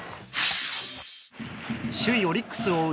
首位オリックスを追う